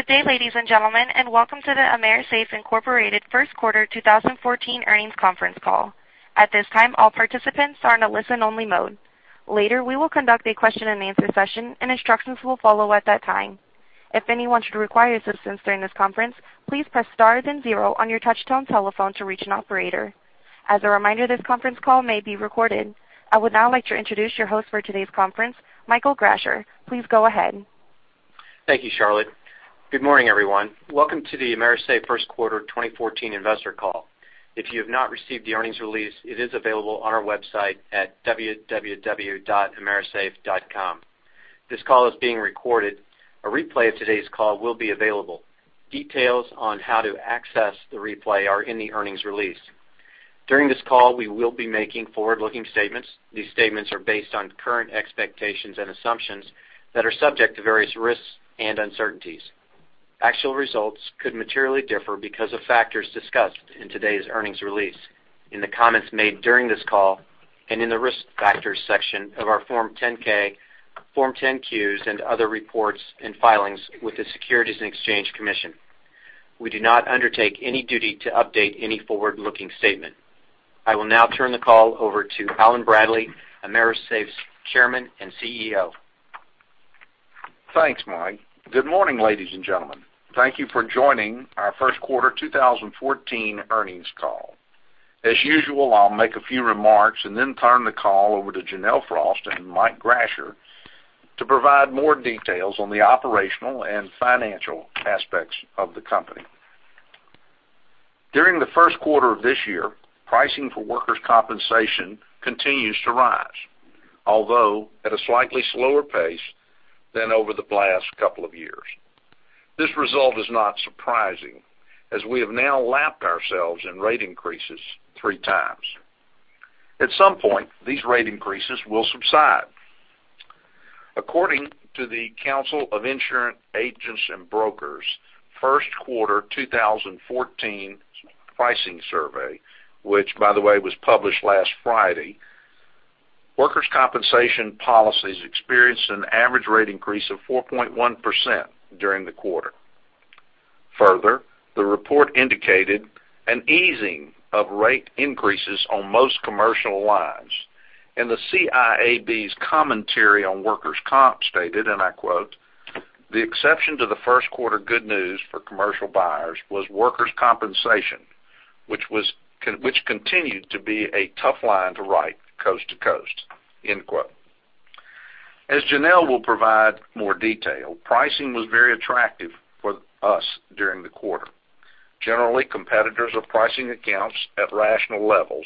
Good day, ladies and gentlemen, and welcome to the AMERISAFE, Inc. first quarter 2014 earnings conference call. At this time, all participants are in a listen-only mode. Later, we will conduct a question and answer session, and instructions will follow at that time. If anyone should require assistance during this conference, please press star then zero on your touch-tone telephone to reach an operator. As a reminder, this conference call may be recorded. I would now like to introduce your host for today's conference, Michael Grasher. Please go ahead. Thank you, Charlotte. Good morning, everyone. Welcome to the AMERISAFE first quarter 2014 investor call. If you have not received the earnings release, it is available on our website at www.amerisafe.com. This call is being recorded. A replay of today's call will be available. Details on how to access the replay are in the earnings release. During this call, we will be making forward-looking statements. These statements are based on current expectations and assumptions that are subject to various risks and uncertainties. Actual results could materially differ because of factors discussed in today's earnings release, in the comments made during this call, and in the Risk Factors section of our Form 10-K, Form 10-Qs, and other reports and filings with the Securities and Exchange Commission. We do not undertake any duty to update any forward-looking statement. I will now turn the call over to Alan Bradley, AMERISAFE's Chairman and CEO. Thanks, Mike. Good morning, ladies and gentlemen. Thank you for joining our first quarter 2014 earnings call. As usual, I'll make a few remarks and then turn the call over to Janelle Frost and Mike Grasher to provide more details on the operational and financial aspects of the company. During the first quarter of this year, pricing for workers' compensation continues to rise, although at a slightly slower pace than over the last couple of years. This result is not surprising, as we have now lapped ourselves in rate increases three times. At some point, these rate increases will subside. According to The Council of Insurance Agents & Brokers' first quarter 2014 pricing survey, which by the way, was published last Friday, workers' compensation policies experienced an average rate increase of 4.1% during the quarter. Further, the report indicated an easing of rate increases on most commercial lines, and the CIAB's commentary on workers' comp stated, and I quote, "The exception to the first quarter good news for commercial buyers was workers' compensation, which continued to be a tough line to write coast to coast." End quote. As Janelle will provide more detail, pricing was very attractive for us during the quarter. Generally, competitors are pricing accounts at rational levels,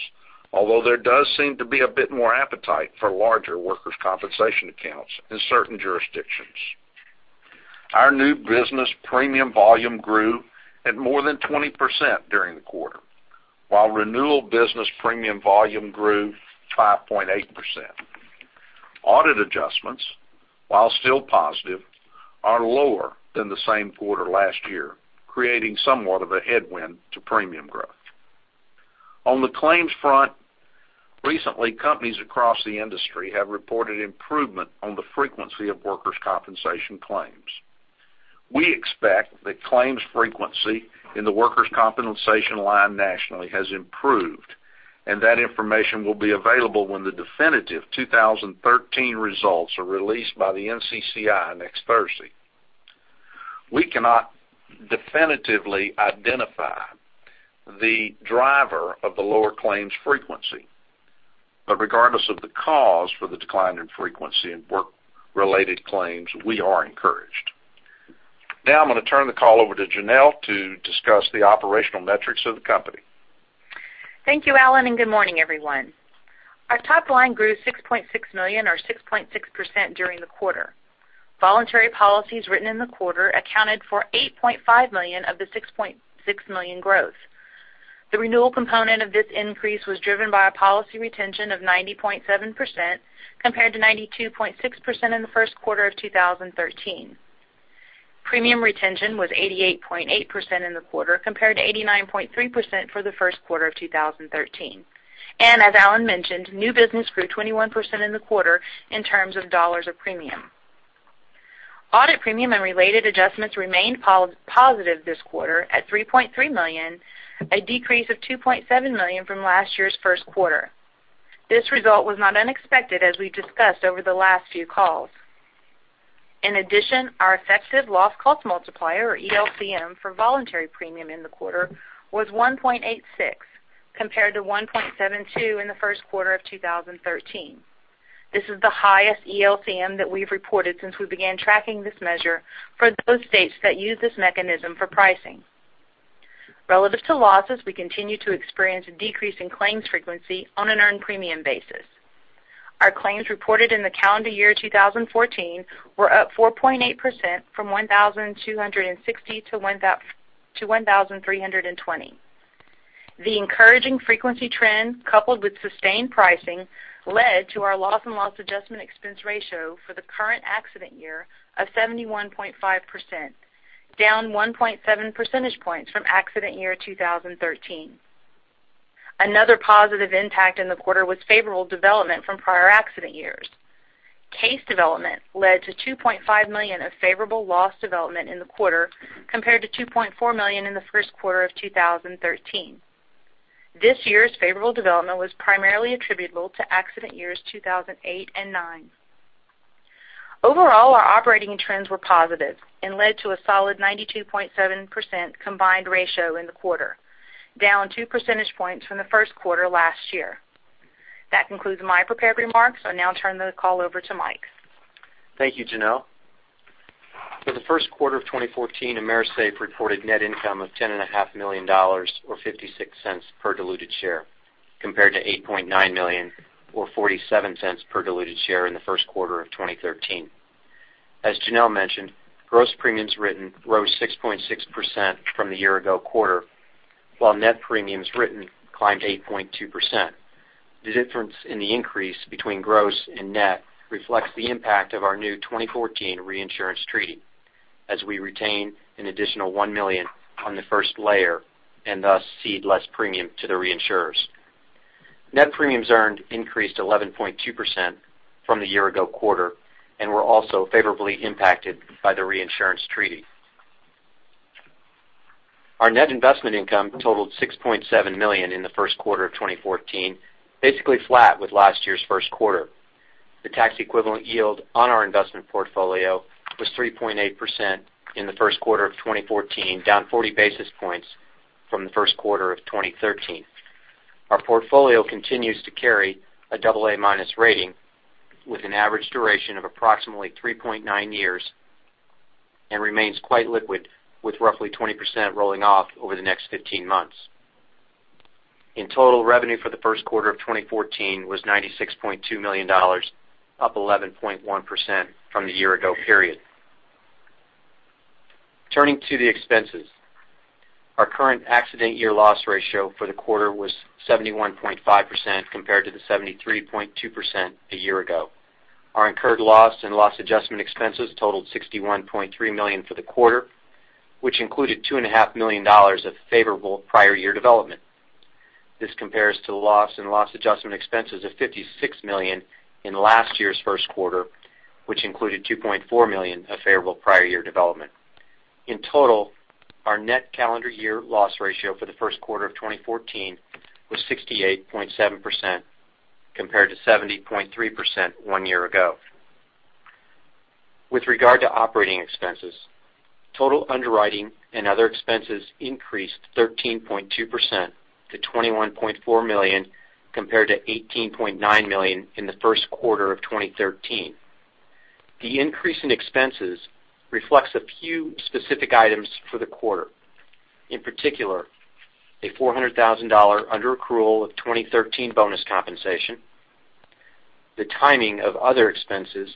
although there does seem to be a bit more appetite for larger workers' compensation accounts in certain jurisdictions. Our new business premium volume grew at more than 20% during the quarter, while renewal business premium volume grew 5.8%. Audit adjustments, while still positive, are lower than the same quarter last year, creating somewhat of a headwind to premium growth. On the claims front, recently, companies across the industry have reported improvement on the frequency of workers' compensation claims. We expect that claims frequency in the workers' compensation line nationally has improved, and that information will be available when the definitive 2013 results are released by the NCCI next Thursday. We cannot definitively identify the driver of the lower claims frequency. Regardless of the cause for the decline in frequency in work-related claims, we are encouraged. I'm going to turn the call over to Janelle to discuss the operational metrics of the company. Thank you, Alan. Good morning, everyone. Our top line grew $6.6 million or 6.6% during the quarter. Voluntary policies written in the quarter accounted for $8.5 million of the $6.6 million growth. The renewal component of this increase was driven by a policy retention of 90.7%, compared to 92.6% in the first quarter of 2013. Premium retention was 88.8% in the quarter compared to 89.3% for the first quarter of 2013. As Alan mentioned, new business grew 21% in the quarter in terms of dollars of premium. Audit premium and related adjustments remained positive this quarter at $3.3 million, a decrease of $2.7 million from last year's first quarter. This result was not unexpected, as we discussed over the last few calls. In addition, our effective loss cost multiplier, or ELCM, for voluntary premium in the quarter was 1.86, compared to 1.72 in the first quarter of 2013. This is the highest ELCM that we've reported since we began tracking this measure for those states that use this mechanism for pricing. Relative to losses, we continue to experience a decrease in claims frequency on an earned premium basis. Our claims reported in the calendar year 2014 were up 4.8%, from 1,260 to 1,320. The encouraging frequency trend, coupled with sustained pricing, led to our loss and loss adjustment expense ratio for the current accident year of 71.5%, down 1.7 percentage points from accident year 2013. Another positive impact in the quarter was favorable development from prior accident years. Case development led to $2.5 million of favorable loss development in the quarter, compared to $2.4 million in the first quarter of 2013. This year's favorable development was primarily attributable to accident years 2008 and '09. Overall, our operating trends were positive and led to a solid 92.7% combined ratio in the quarter, down two percentage points from the first quarter last year. That concludes my prepared remarks. I'll now turn the call over to Mike. Thank you, Janelle. For the first quarter of 2014, AMERISAFE reported net income of $10.5 million, or $0.56 per diluted share, compared to $8.9 million or $0.47 per diluted share in the first quarter of 2013. As Janelle mentioned, gross premiums written rose 6.6% from the year ago quarter, while net premiums written climbed 8.2%. The difference in the increase between gross and net reflects the impact of our new 2014 reinsurance treaty, as we retain an additional $1 million on the first layer and thus cede less premium to the reinsurers. Net premiums earned increased 11.2% from the year ago quarter and were also favorably impacted by the reinsurance treaty. Our net investment income totaled $6.7 million in the first quarter of 2014, basically flat with last year's first quarter. The tax equivalent yield on our investment portfolio was 3.8% in the first quarter of 2014, down 40 basis points from the first quarter of 2013. Our portfolio continues to carry a double A minus rating with an average duration of approximately 3.9 years and remains quite liquid, with roughly 20% rolling off over the next 15 months. In total, revenue for the first quarter of 2014 was $96.2 million, up 11.1% from the year ago period. Turning to the expenses. Our current accident year loss ratio for the quarter was 71.5%, compared to the 73.2% a year ago. Our incurred loss and loss adjustment expenses totaled $61.3 million for the quarter, which included $2.5 million of favorable prior year development. This compares to the loss and loss adjustment expenses of $56 million in last year's first quarter, which included $2.4 million of favorable prior year development. In total, our net calendar year loss ratio for the first quarter of 2014 was 68.7%, compared to 70.3% one year ago. With regard to operating expenses, total underwriting and other expenses increased 13.2% to $21.4 million, compared to $18.9 million in the first quarter of 2013. The increase in expenses reflects a few specific items for the quarter. In particular, a $400,000 underaccrual of 2013 bonus compensation, the timing of other expenses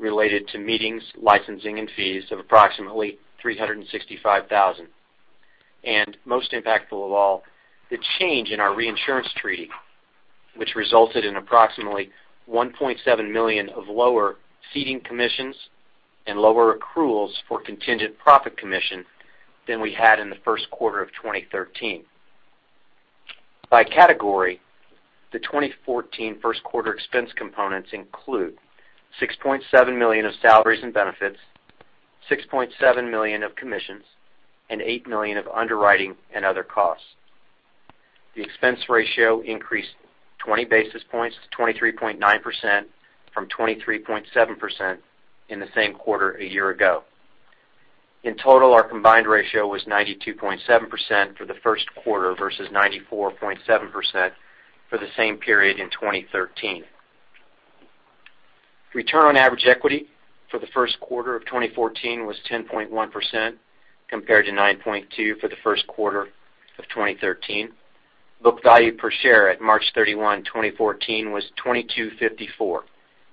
related to meetings, licensing, and fees of approximately $365,000. Most impactful of all, the change in our reinsurance treaty, which resulted in approximately $1.7 million of lower ceding commissions and lower accruals for contingent profit commission than we had in the first quarter of 2013. By category, the 2014 first quarter expense components include $6.7 million of salaries and benefits, $6.7 million of commissions, and $8 million of underwriting and other costs. The expense ratio increased 20 basis points to 23.9% from 23.7% in the same quarter a year ago. In total, our combined ratio was 92.7% for the first quarter versus 94.7% for the same period in 2013. Return on average equity for the first quarter of 2014 was 10.1%, compared to 9.2% for the first quarter of 2013. Book value per share at March 31, 2014 was $22.54,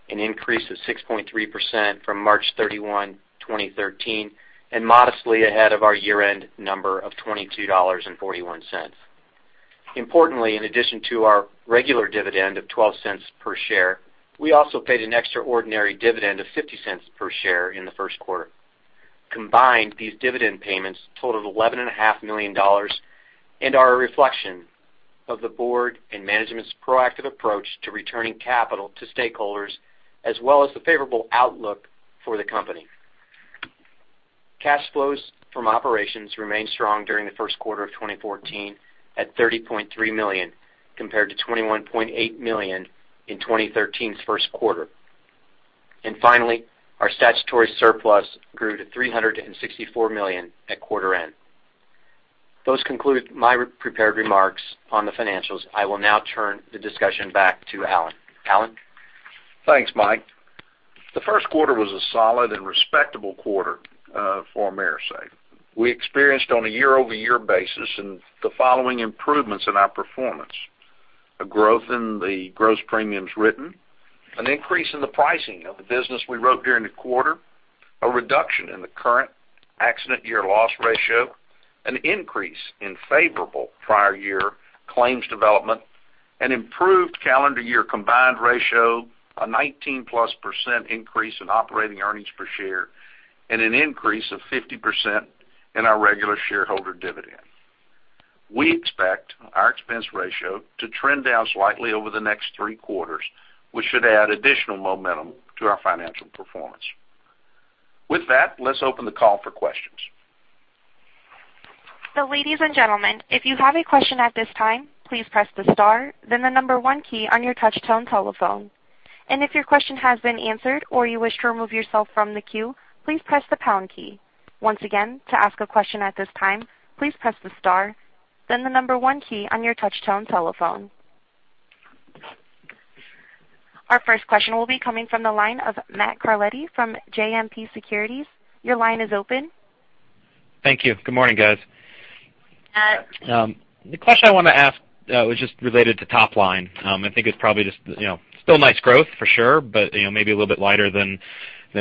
an increase of 6.3% from March 31, 2013, and modestly ahead of our year-end number of $22.41. Importantly, in addition to our regular dividend of $0.12 per share, we also paid an extraordinary dividend of $0.50 per share in the first quarter. Combined, these dividend payments totaled $11.5 million and are a reflection of the board and management's proactive approach to returning capital to stakeholders, as well as the favorable outlook for the company. Cash flows from operations remained strong during the first quarter of 2014 at $30.3 million, compared to $21.8 million in 2013's first quarter. Finally, our statutory surplus grew to $364 million at quarter end. Those conclude my prepared remarks on the financials. I will now turn the discussion back to Alan. Alan? Thanks, Mike. The first quarter was a solid and respectable quarter for AMERISAFE. We experienced on a year-over-year basis the following improvements in our performance: a growth in the gross premiums written, an increase in the pricing of the business we wrote during the quarter, a reduction in the current accident year loss ratio, an increase in favorable prior year claims development, an improved calendar year combined ratio, a 19-plus % increase in operating earnings per share, and an increase of 50% in our regular shareholder dividend. We expect our expense ratio to trend down slightly over the next three quarters, which should add additional momentum to our financial performance. With that, let's open the call for questions. Ladies and gentlemen, if you have a question at this time, please press the star, then the number 1 key on your touch tone telephone. If your question has been answered or you wish to remove yourself from the queue, please press the pound key. Once again, to ask a question at this time, please press the star, then the number 1 key on your touch tone telephone. Our first question will be coming from the line of Matt Carletti from JMP Securities. Your line is open. Thank you. Good morning, guys. Matt. The question I want to ask was just related to top line. I think it's probably just still nice growth for sure, but maybe a little bit lighter than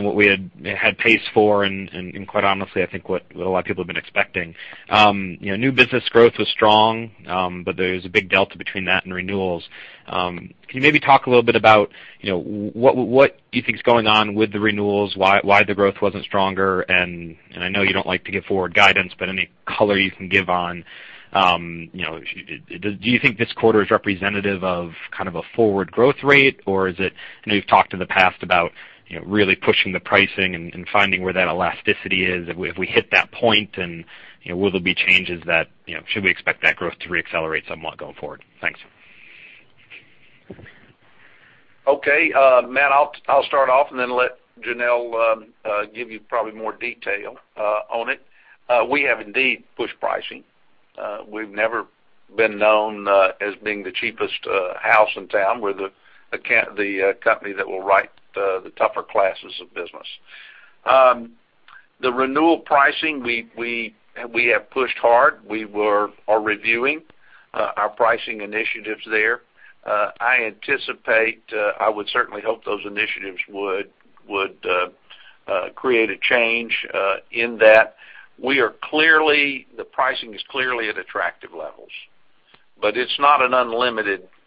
what we had paced for, and quite honestly, I think what a lot of people have been expecting. New business growth was strong, but there's a big delta between that and renewals. Can you maybe talk a little bit about what you think is going on with the renewals, why the growth wasn't stronger, and I know you don't like to give forward guidance, but any color you can give on do you think this quarter is representative of kind of a forward growth rate? I know you've talked in the past about really pushing the pricing and finding where that elasticity is. Have we hit that point and will there be changes that should we expect that growth to re-accelerate somewhat going forward? Thanks. Okay. Matt, I'll start off and then let Janelle give you probably more detail on it. We have indeed pushed pricing. We've never been known as being the cheapest house in town. We're the company that will write the tougher classes of business. The renewal pricing, we have pushed hard. We are reviewing our pricing initiatives there. I anticipate, I would certainly hope those initiatives would create a change in that. The pricing is clearly at attractive levels, but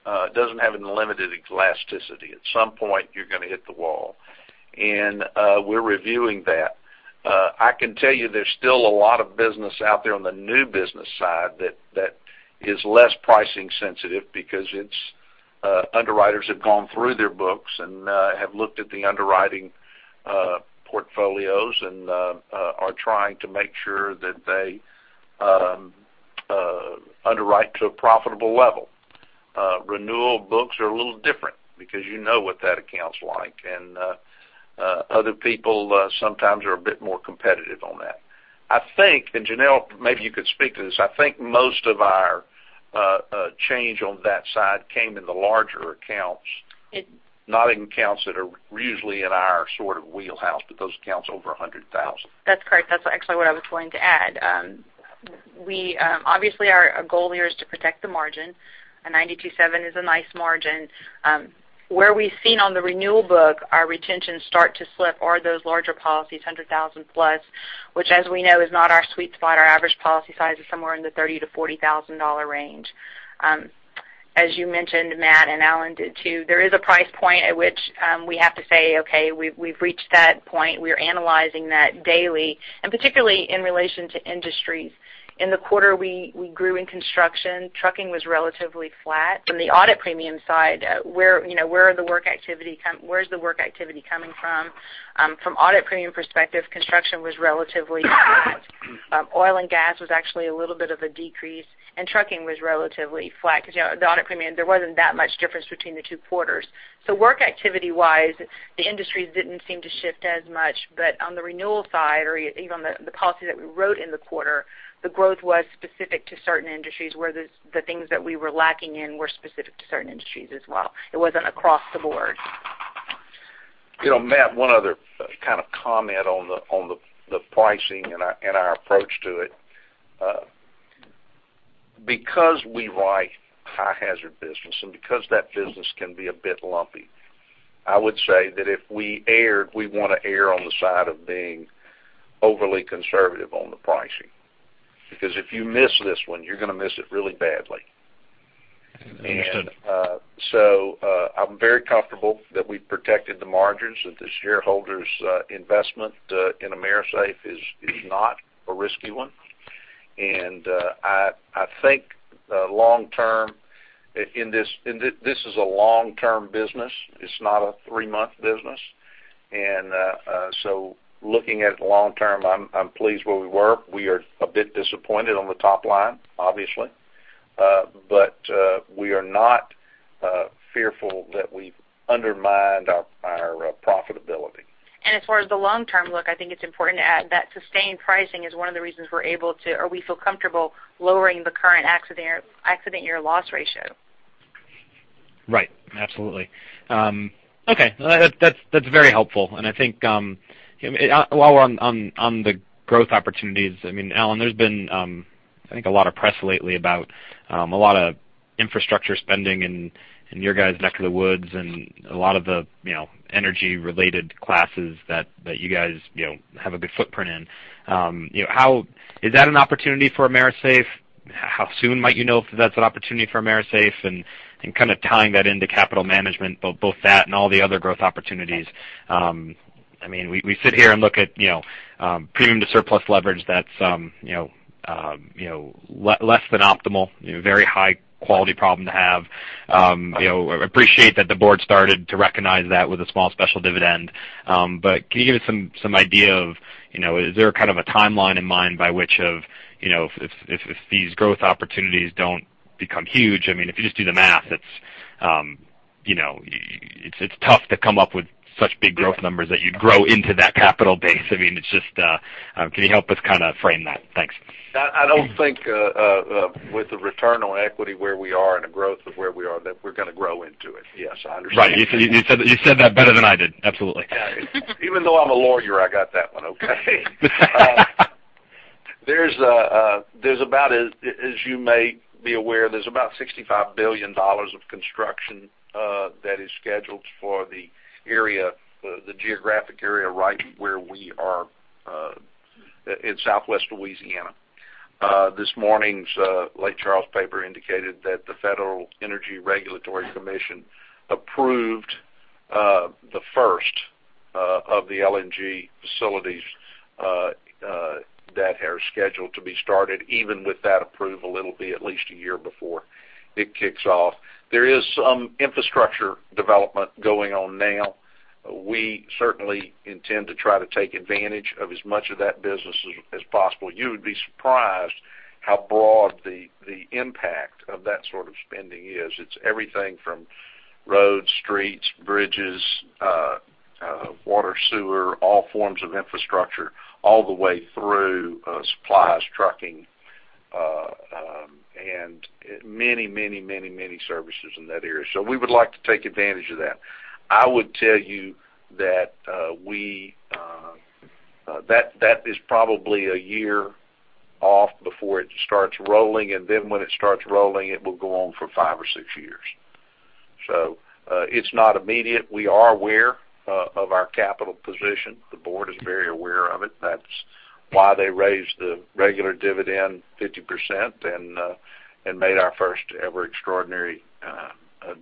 it doesn't have an unlimited elasticity. At some point, you're going to hit the wall, and we're reviewing that. I can tell you there's still a lot of business out there on the new business side that is less pricing sensitive because underwriters have gone through their books and have looked at the underwriting portfolios and are trying to make sure that they underwrite to a profitable level. Renewal books are a little different because you know what that account's like, and other people sometimes are a bit more competitive on that. I think, and Janelle, maybe you could speak to this, I think most of our change on that side came in the larger accounts. It- Not in accounts that are usually in our sort of wheelhouse, but those accounts over 100,000. That's correct. That's actually what I was going to add. Obviously, our goal here is to protect the margin. A 92.7% is a nice margin. Where we've seen on the renewal book our retention start to slip are those larger policies, 100,000-plus, which as we know, is not our sweet spot. Our average policy size is somewhere in the $30,000 to $40,000 range. As you mentioned, Matt, and Allen did too, there is a price point at which we have to say, okay, we've reached that point. We are analyzing that daily, and particularly in relation to industries. In the quarter, we grew in construction. Trucking was relatively flat. From the audit premium side, where's the work activity coming from? From audit premium perspective, construction was relatively flat. Oil and gas was actually a little bit of a decrease. Trucking was relatively flat because the audit premium, there wasn't that much difference between the two quarters. Work activity-wise, the industries didn't seem to shift as much. On the renewal side, or even the policy that we wrote in the quarter, the growth was specific to certain industries, where the things that we were lacking in were specific to certain industries as well. It wasn't across the board. Matt, one other kind of comment on the pricing and our approach to it. We write high hazard business. That business can be a bit lumpy. I would say that if we err, we want to err on the side of being overly conservative on the pricing. If you miss this one, you're going to miss it really badly. Understood. I'm very comfortable that we've protected the margins, that the shareholders' investment in AMERISAFE is not a risky one. I think long term, this is a long-term business. It's not a three-month business. Looking at long term, I'm pleased where we were. We are a bit disappointed on the top line, obviously. We are not fearful that we've undermined our profitability. As far as the long-term look, I think it's important to add that sustained pricing is one of the reasons we're able to, or we feel comfortable lowering the current accident year loss ratio. Right. Absolutely. Okay. That's very helpful. I think while we're on the growth opportunities, Allen, there's been I think a lot of press lately about a lot of infrastructure spending and your guys back to the woods and a lot of the energy-related classes that you guys have a good footprint in. Is that an opportunity for AMERISAFE? How soon might you know if that's an opportunity for AMERISAFE and tying that into capital management, both that and all the other growth opportunities. We sit here and look at premium to surplus leverage that's less than optimal, very high-quality problem to have. I appreciate that the board started to recognize that with a small special dividend. Can you give us some idea of, is there a kind of a timeline in mind by which of, if these growth opportunities don't become huge, if you just do the math, it's tough to come up with such big growth numbers that you'd grow into that capital base. Can you help us kind of frame that? Thanks. I don't think with the return on equity where we are and the growth of where we are, that we're going to grow into it. Yes, I understand. Right. You said that better than I did. Absolutely. Even though I'm a lawyer, I got that one okay. As you may be aware, there's about $65 billion of construction that is scheduled for the geographic area right where we are in southwest Louisiana. This morning's Lake Charles paper indicated that the Federal Energy Regulatory Commission approved the first of the LNG facilities that are scheduled to be started. Even with that approval, it'll be at least a year before it kicks off. There is some infrastructure development going on now. We certainly intend to try to take advantage of as much of that business as possible. You would be surprised how broad the impact of that sort of spending is. It's everything from roads, streets, bridges, water, sewer, all forms of infrastructure, all the way through supplies, trucking, and many services in that area. We would like to take advantage of that. I would tell you that is probably a year off before it starts rolling, and then when it starts rolling, it will go on for five or six years. It's not immediate. We are aware of our capital position. The board is very aware of it. That's why they raised the regular dividend 50% and made our first ever extraordinary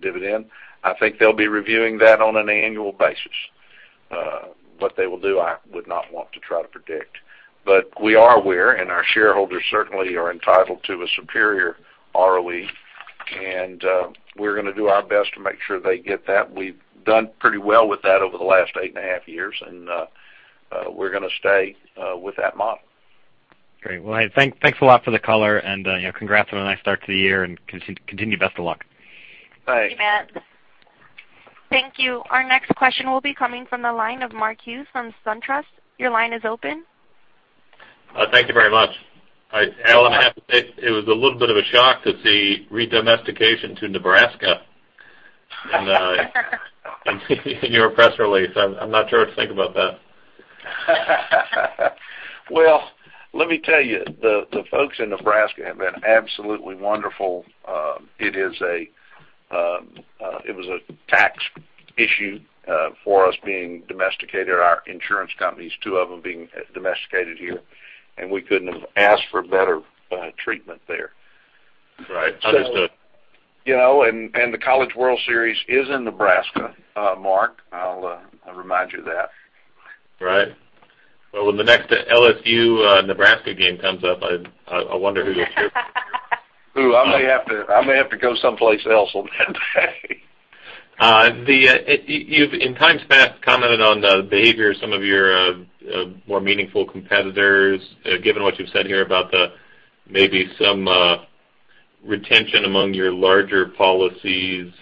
dividend. I think they'll be reviewing that on an annual basis. What they will do, I would not want to try to predict. We are aware, and our shareholders certainly are entitled to a superior ROE, and we're going to do our best to make sure they get that. We've done pretty well with that over the last eight and a half years, and we're going to stay with that model. Great. Well, thanks a lot for the color, congrats on a nice start to the year, and continued best of luck. Thanks. Thank you, Matt. Thank you. Our next question will be coming from the line of Mark Hughes from SunTrust. Your line is open. Thank you very much. Alan, I have to say, it was a little bit of a shock to see redomestication to Nebraska in your press release. I am not sure what to think about that. Well, let me tell you, the folks in Nebraska have been absolutely wonderful. It was a tax issue for us being domesticated, our insurance companies, two of them being domesticated here, we couldn't have asked for better treatment there. Right. Understood. The College World Series is in Nebraska, Mark, I'll remind you of that. Right. Well, when the next LSU Nebraska game comes up, I wonder who you'll cheer for. Ooh, I may have to go someplace else on that day. You've, in times past, commented on the behavior of some of your more meaningful competitors, given what you've said here about the maybe some retention among your larger policies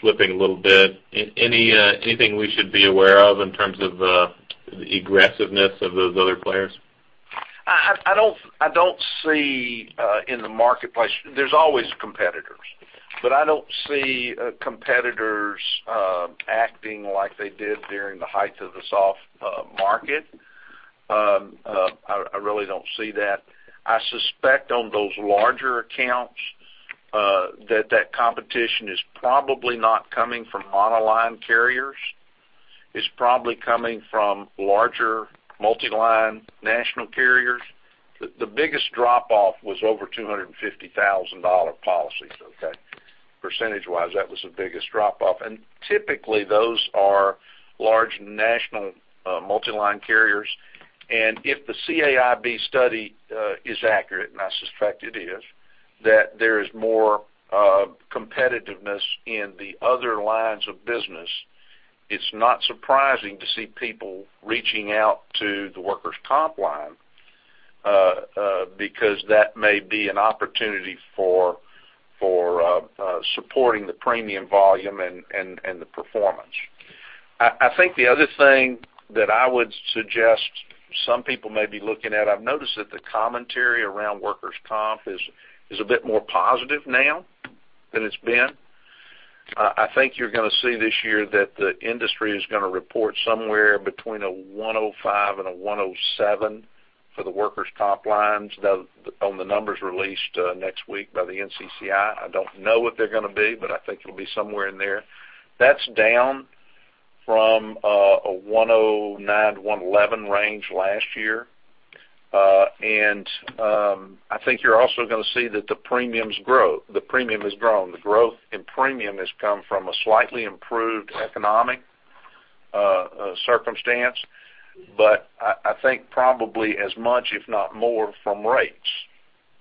slipping a little bit. Anything we should be aware of in terms of the aggressiveness of those other players? I don't see in the marketplace-- there's always competitors. I don't see competitors acting like they did during the height of the soft market. I really don't see that. I suspect on those larger accounts, that that competition is probably not coming from monoline carriers. It's probably coming from larger multiline national carriers. The biggest drop-off was over $250,000 policies, okay? Percentage-wise, that was the biggest drop-off, and typically, those are large national multiline carriers. If the CIAB study is accurate, and I suspect it is, that there is more competitiveness in the other lines of business, it's not surprising to see people reaching out to the workers' comp line because that may be an opportunity for supporting the premium volume and the performance. I think the other thing that I would suggest some people may be looking at, I've noticed that the commentary around workers' comp is a bit more positive now than it's been. I think you're going to see this year that the industry is going to report somewhere between 105 and 107 for the workers' comp lines on the numbers released next week by the NCCI. I don't know what they're going to be, but I think it'll be somewhere in there. That's down From a 109, 111 range last year. I think you're also going to see that the premiums grow. The premium has grown. The growth in premium has come from a slightly improved economic circumstance, but I think probably as much, if not more, from rates,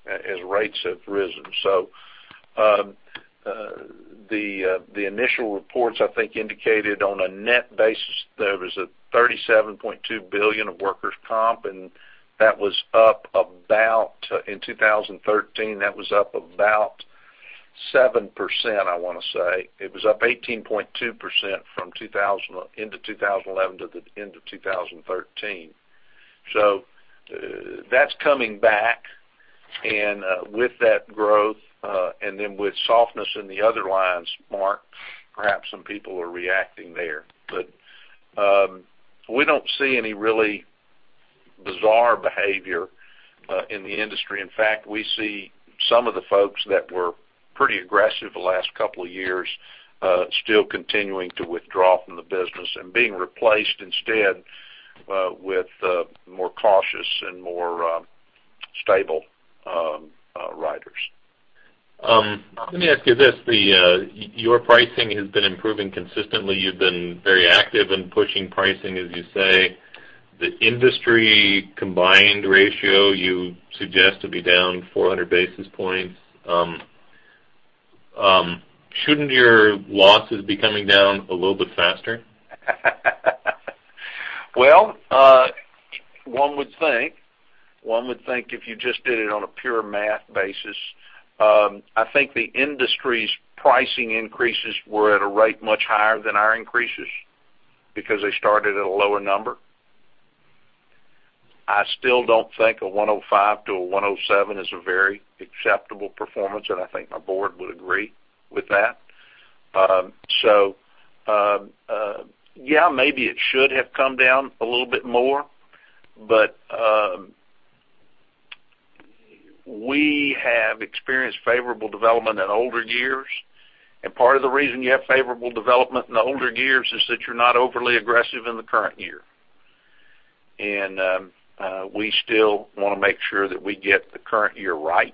as rates have risen. The initial reports, I think, indicated on a net basis, there was a $37.2 billion of workers' comp, and in 2013, that was up about 7%, I want to say. It was up 18.2% from end of 2011 to the end of 2013. That's coming back, and with that growth, and then with softness in the other lines, Mark, perhaps some people are reacting there. We don't see any really bizarre behavior in the industry. In fact, we see some of the folks that were pretty aggressive the last couple of years still continuing to withdraw from the business and being replaced instead with more cautious and more stable writers. Let me ask you this, your pricing has been improving consistently. You've been very active in pushing pricing, as you say. The industry combined ratio, you suggest to be down 400 basis points. Shouldn't your losses be coming down a little bit faster? One would think if you just did it on a pure math basis. I think the industry's pricing increases were at a rate much higher than our increases because they started at a lower number. I still don't think a 105 to a 107 is a very acceptable performance, and I think my board would agree with that. Yeah, maybe it should have come down a little bit more, but we have experienced favorable development in older years. Part of the reason you have favorable development in the older years is that you're not overly aggressive in the current year. We still want to make sure that we get the current year right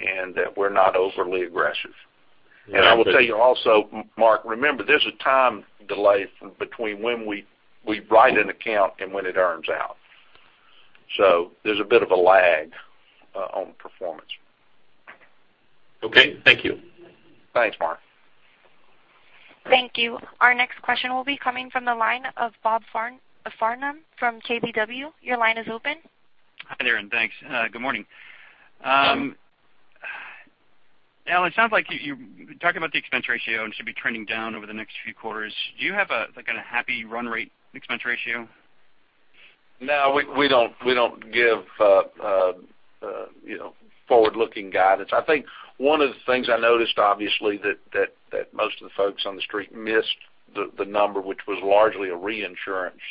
and that we're not overly aggressive. Yeah, but- I will tell you also, Mark, remember, there's a time delay between when we write an account and when it earns out. There's a bit of a lag on performance. Okay. Thank you. Thanks, Mark. Thank you. Our next question will be coming from the line of Bob Farnham from KBW. Your line is open. Hi there, thanks. Good morning. Good morning. Alan, it sounds like you're talking about the expense ratio and should be trending down over the next few quarters. Do you have a happy run rate expense ratio? No, we don't give forward-looking guidance. I think one of the things I noticed, obviously, that most of the folks on the street missed the number, which was largely a reinsurance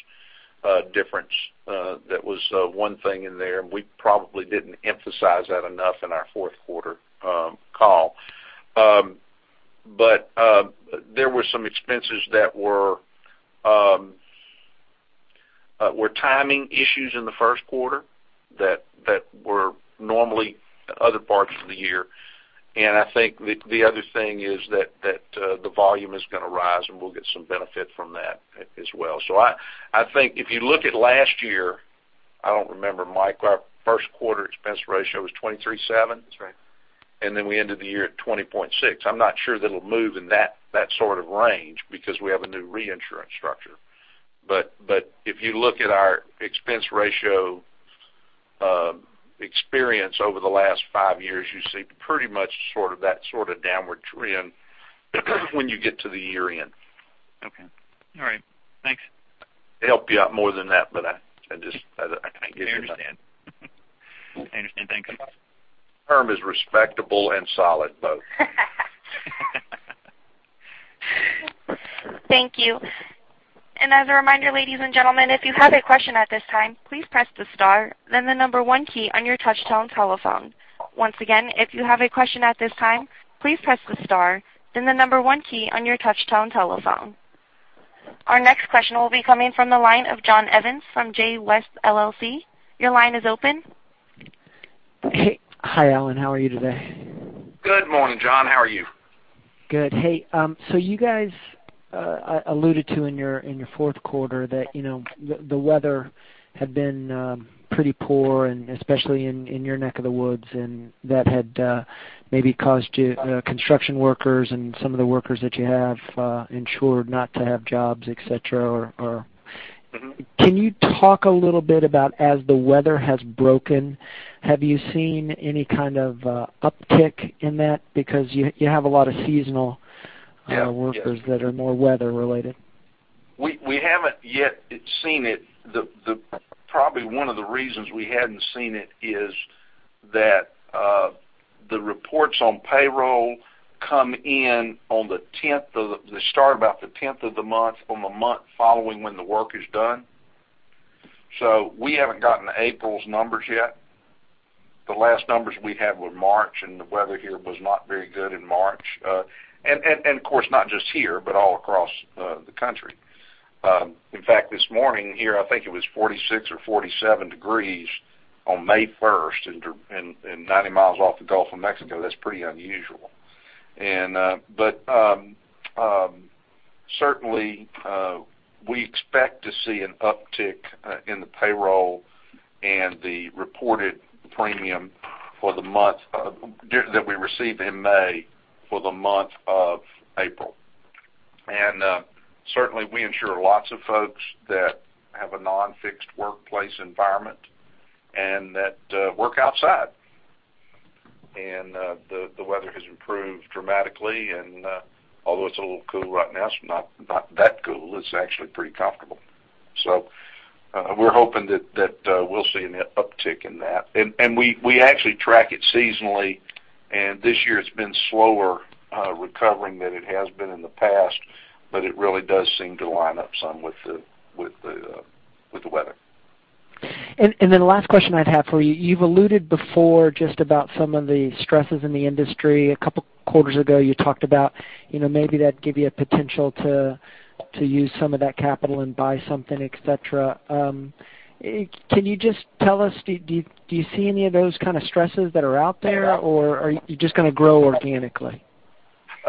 difference. That was one thing in there, and we probably didn't emphasize that enough in our fourth quarter call. There were some expenses that were timing issues in the first quarter that were normally other parts of the year. I think the other thing is that the volume is going to rise, and we'll get some benefit from that as well. I think if you look at last year, I don't remember, Mike, our first quarter expense ratio was 23.7? That's right. We ended the year at 20.6. I'm not sure that'll move in that sort of range because we have a new reinsurance structure. If you look at our expense ratio experience over the last five years, you see pretty much that sort of downward trend when you get to the year-end. Okay. All right. Thanks. I would help you out more than that, I can't give you that. I understand. I understand. Thank you, bye. Term is respectable and solid both. Thank you. As a reminder, ladies and gentlemen, if you have a question at this time, please press the star, then the number 1 key on your touchtone telephone. Once again, if you have a question at this time, please press the star, then the number 1 key on your touchtone telephone. Our next question will be coming from the line of John Evans from J.West LLC. Your line is open. Hey. Hi, Alan. How are you today? Good morning, John. How are you? Good. Hey, you guys alluded to in your fourth quarter that the weather had been pretty poor and especially in your neck of the woods, and that had maybe caused construction workers and some of the workers that you have insured not to have jobs, et cetera. Can you talk a little bit about as the weather has broken, have you seen any kind of uptick in that? Because you have a lot of seasonal- Yeah. -workers that are more weather-related. We haven't yet seen it. Probably one of the reasons we hadn't seen it is that the reports on payroll come in on the 10th of the they start about the 10th of the month on the month following when the work is done. We haven't gotten April's numbers yet. The last numbers we had were March, the weather here was not very good in March. Of course, not just here, but all across the country. In fact, this morning here, I think it was 46 or 47 degrees on May 1st and 90 miles off the Gulf of Mexico. That's pretty unusual. Certainly, we expect to see an uptick in the payroll and the reported premium that we receive in May for the month of April. Certainly, we insure lots of folks that have a non-fixed workplace environment and that work outside. The weather has improved dramatically, and although it's a little cool right now, it's not that cool. It's actually pretty comfortable. We're hoping that we'll see an uptick in that. We actually track it seasonally, and this year it's been slower recovering than it has been in the past, but it really does seem to line up some with the weather. The last question I'd have for you've alluded before just about some of the stresses in the industry. A couple of quarters ago, you talked about maybe that give you a potential to use some of that capital and buy something, et cetera. Can you just tell us, do you see any of those kind of stresses that are out there, or are you just going to grow organically?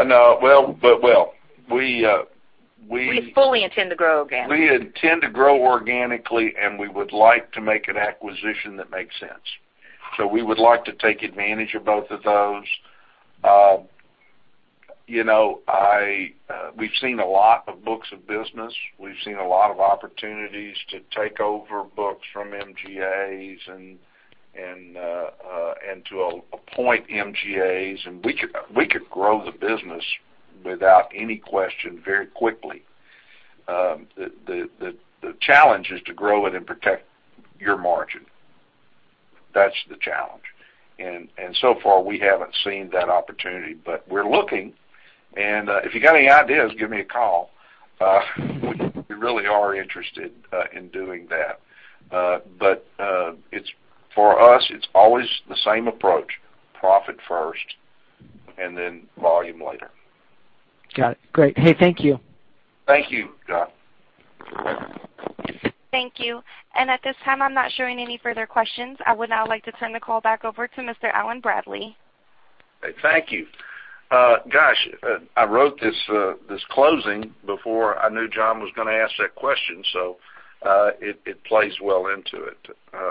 No, but well. We fully intend to grow organically We intend to grow organically, and we would like to make an acquisition that makes sense. We would like to take advantage of both of those. We've seen a lot of books of business. We've seen a lot of opportunities to take over books from MGAs and to appoint MGAs, and we could grow the business without any question very quickly. The challenge is to grow it and protect your margin. That's the challenge. So far, we haven't seen that opportunity, but we're looking, and if you got any ideas, give me a call. We really are interested in doing that. For us, it's always the same approach, profit first and then volume later. Got it. Great. Hey, thank you. Thank you, John. Thank you. At this time, I'm not showing any further questions. I would now like to turn the call back over to Mr. Allen Bradley. Thank you. Gosh, I wrote this closing before I knew John was going to ask that question, so it plays well into it.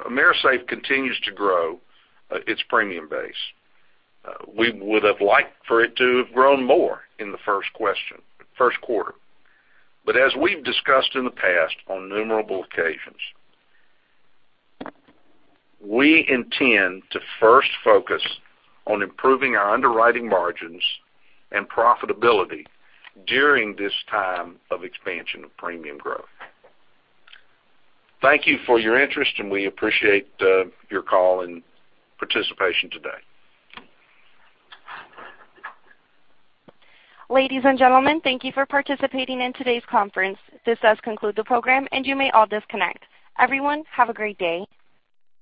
AMERISAFE continues to grow its premium base. We would have liked for it to have grown more in the first quarter. As we've discussed in the past on numerous occasions, we intend to first focus on improving our underwriting margins and profitability during this time of expansion of premium growth. Thank you for your interest, and we appreciate your call and participation today. Ladies and gentlemen, thank you for participating in today's conference. This does conclude the program, and you may all disconnect. Everyone, have a great day.